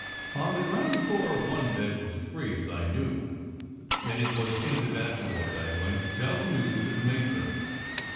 On the ground floor one bed was free, as I knew, and it was into that ward I went to tell the news to the matron.